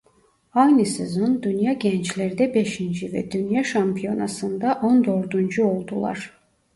Aynı sezon Dünya Gençlerde beşinci ve Dünya şampiyonasında on dördüncü oldular.